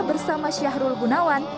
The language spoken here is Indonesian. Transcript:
bersama syahrul gunawan